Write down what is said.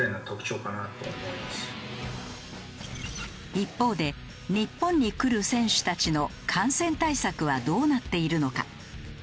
一方で日本に来る選手たちの感染対策はどうなっているのか？